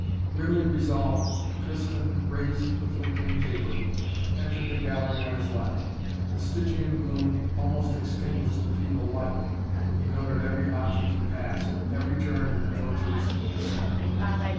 Grimly resolved Tristan raised the flickering taper and entered the gallery on his left. The Stygian gloom almost extinguished the feeble light, though he noted every object he passed, every turn in the tortuous ascent.